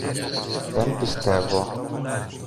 Δεν πιστεύω.